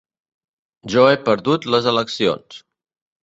Jo he perdut les eleccions.